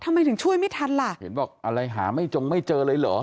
ทำไมถึงช่วยไม่ทันล่ะเห็นบอกอะไรหาไม่จงไม่เจอเลยเหรอ